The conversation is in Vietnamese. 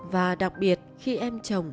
và đặc biệt khi em chồng